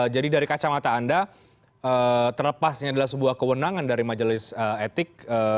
jadi dari kacamata anda terlepas ini adalah sebuah kewenangan dari majelis etik